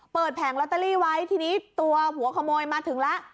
แผงลอตเตอรี่ไว้ทีนี้ตัวหัวขโมยมาถึงแล้ว